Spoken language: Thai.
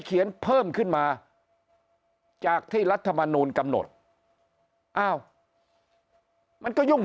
เขียนเพิ่มขึ้นมาจากที่รัฐมนูลกำหนดอ้าวมันก็ยุ่ง